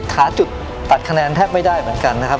หาจุดตัดคะแนนแทบไม่ได้เหมือนกันนะครับ